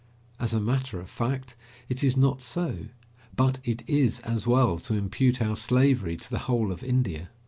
As a matter of fact, it is not so, but it is as well to impute our slavery to the whole of India.